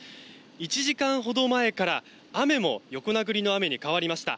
１時間ほど前から雨も横殴りの雨に変わりました。